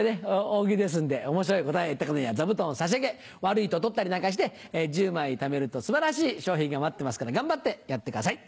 大喜利ですんで面白い答えを言った方には座布団を差し上げ悪いと取ったりなんかして１０枚ためると素晴らしい賞品が待ってますから頑張ってやってください。